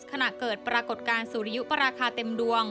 ขณะเกิดปรากฏการณ์สุริยุปราคาเต็มดวง